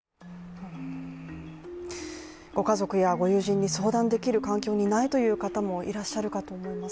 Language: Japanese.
ご家族やご友人に相談できる環境にないという方もいらっしゃるかと思います。